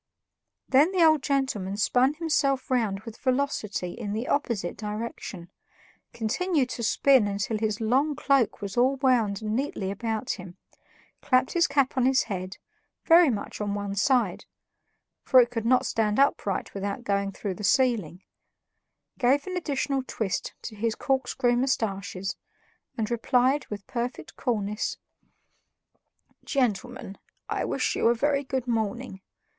Then the old gentleman spun himself round with velocity in the opposite direction, continued to spin until his long cloak was all wound neatly about him, clapped his cap on his head, very much on one side (for it could not stand upright without going through the ceiling), gave an additional twist to his corkscrew mustaches, and replied with perfect coolness: "Gentlemen, I wish you a very good morning.